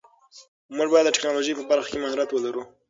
موږ باید د ټیکنالوژۍ په برخه کې مهارت ولرو.